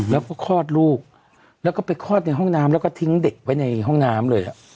แล้วก็คลอดลูกแล้วก็ไปคลอดในห้องน้ำแล้วก็ทิ้งเด็กไว้ในห้องน้ำเลย